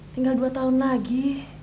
tinggal dua tahun lagi